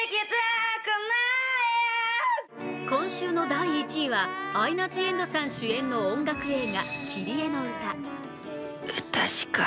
今週の第１位は、アイナ・ジ・エンドさん主演の音楽映画「キリエのうた」。